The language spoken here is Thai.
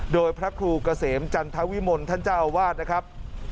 โดยพระครูเกษมจันทวิมลท่านเจ้าอาวาสนะครับ